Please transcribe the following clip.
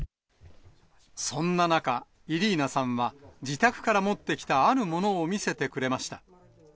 そんな中、イリーナさんは、自宅から持ってきたあるものを見せてくれました。